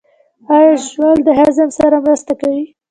ایا ژوول د هضم سره مرسته کوي؟